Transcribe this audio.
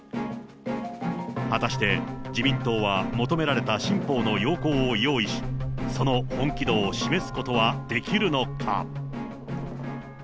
果たして自民党は求められた新法の要綱を用意し、その本気度を示すことはできるのか。